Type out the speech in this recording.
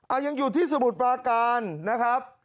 อ่ะยังอยู่ที่สมุดปาการนะครับ